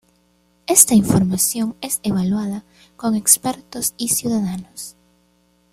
Esta información es evaluada con expertos y ciudadanos.